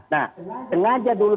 nah sengaja dulu